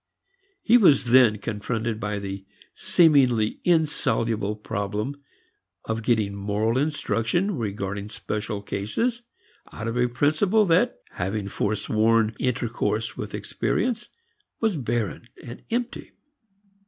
He was then confronted by the seemingly insoluble problem of getting moral instruction regarding special cases out of a principle that having forsworn intercourse with experience was barren and empty.